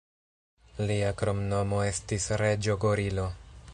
Lia kromnomo estis 'Reĝo Gorilo'.